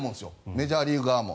メジャーリーグ側も。